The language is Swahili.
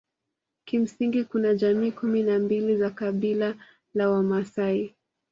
Kimsingi kuna jamii kumi na mbili za kabila la Wamasai